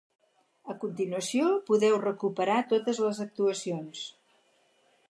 A continuació podeu recuperar totes les actuacions.